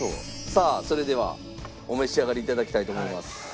さあそれではお召し上がりいただきたいと思います。